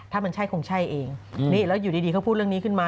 ถ้ามันใช่คงใช่เองนี่แล้วอยู่ดีเขาพูดเรื่องนี้ขึ้นมา